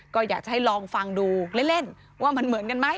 ก็อยากจะให้ลองฟังดูเล่นว่ามันเหมือนกันไหม